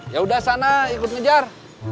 ya udah sana ikut ngejar